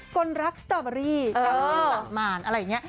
กลรักสตาเบอรี่กลับมารอะไรอย่างนี้